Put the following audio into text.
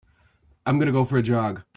I'm going to go for a jog.